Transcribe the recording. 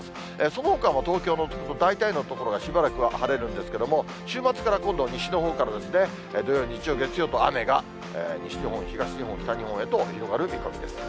そのほかも東京の大体の所はしばらくは晴れるんですけれども、週末から今度は西のほうから、土曜、日曜、月曜と雨が西日本、東日本、北日本へと広がる見込みです。